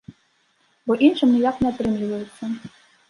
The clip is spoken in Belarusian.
Бо іншым ніяк не атрымліваецца.